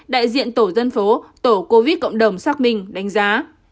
đại diện tổ dân phố tổ covid cộng đồng xác minh đánh giá